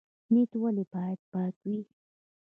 نیت ولې باید پاک وي؟